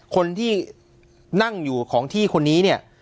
คนที่นั่งอยู่ของที่คนนี้เนี่ย